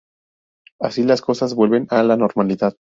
Así, las cosas vuelven a la normalidad.